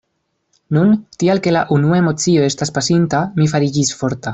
Nun, tial ke la unua emocio estas pasinta, mi fariĝis forta.